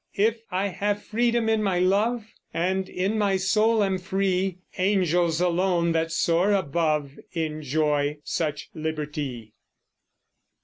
If I have freedom in my love, And in my soul am free, Angels alone that soar above Enjoy such liberty.